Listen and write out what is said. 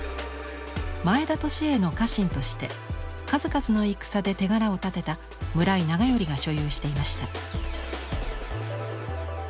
前田利家の家臣として数々の戦で手柄を立てた村井長頼が所有していました。